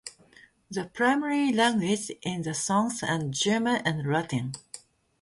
The primary languages in the songs are German and Latin.